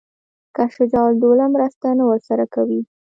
که شجاع الدوله مرسته نه ورسره کوي.